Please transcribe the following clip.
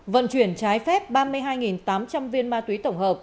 vận chuyển trái phép ba mươi hai tám trăm linh viên ma túy tổng hợp